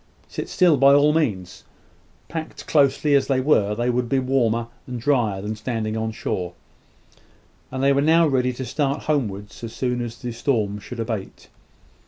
Sit still, by all means. Packed closely as they were, they would be warmer and drier than standing on shore; and they were now ready to start homewards as soon as the storm should abate.